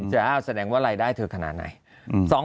แสดงว่ารายได้เธอขนาดไหน